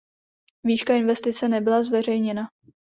Výška investice nebyla zveřejněna.